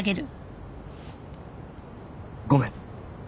ごめん。